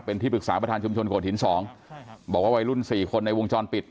เป็นที่ปรึกษาประธานชุมชนโขดหินสองบอกว่าวัยรุ่นสี่คนในวงจรปิด